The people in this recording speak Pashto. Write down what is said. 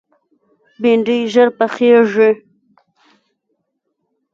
بېنډۍ ژر پخېږي